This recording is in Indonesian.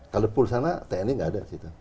kalau pul di sana tni nggak ada